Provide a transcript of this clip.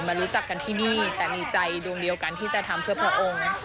รู้จักกันที่นี่แต่มีใจดวงเดียวกันที่จะทำเพื่อพระองค์